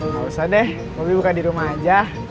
gak usah deh hobi buka di rumah aja